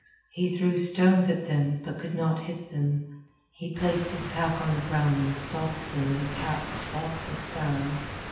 He threw stones at them, but could not hit them. He placed his pack on the ground and stalked them as a cat stalks a sparrow.